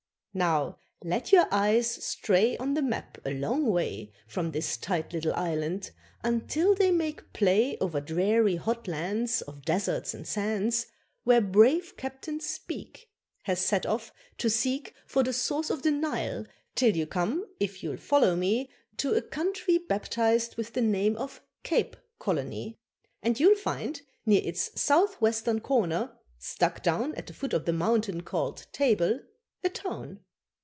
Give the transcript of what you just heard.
Now let your eyes stray On the map, a long way From this tight little island, until they make play Over dreary hot lands Of deserts and sands, Where brave Captain Speke Has set off to seek For the source of the Nile, till you come, if you'll follow me, To a country baptized with the name of Cape Colony. And you'll find, near its south western corner, stuck down At the foot of the mountain called Table, a town.